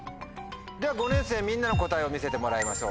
では５年生みんなの答えを見せてもらいましょう。